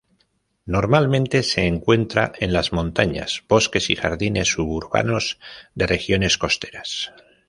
Normalmente se encuentra en las montañas, bosques y jardines suburbanos de regiones costeras.